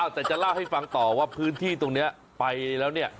แต่จะเล่าให้ฟังต่อว่าพื้นที่ตรงนี้ไปแล้วเนี่ย